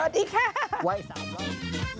สวัสดีค่ะ